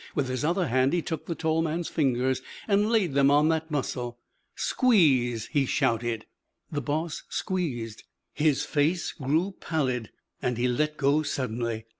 With his other hand he took the tall man's fingers and laid them on that muscle. "Squeeze," he shouted. The boss squeezed. His face grew pallid and he let go suddenly.